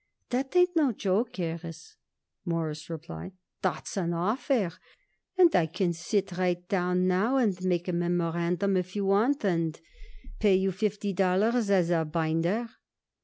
"That ain't no joke, Harris," Morris replied. "That's an offer, and I can sit right down now and make a memorandum if you want it, and pay you fifty dollars as a binder."